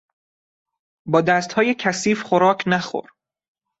با دستهای کثیف خوراک نخور!